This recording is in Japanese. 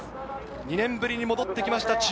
２年ぶりに戻ってきました